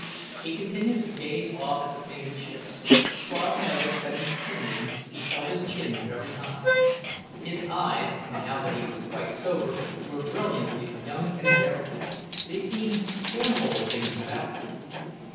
He continued to gaze off at the painted ships. Claude noticed that in standing he held his chin very high. His eyes, now that he was quite sober, were brilliantly young and daring; they seemed scornful of things about him.